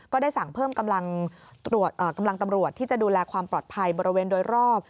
ก็ได้สั่งเพิ่มกำลังตำรวจที่จะดูแลความปลอดภัยบริเวณโดยรอบ